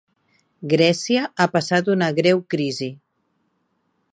Grècia ha passat una greu crisi.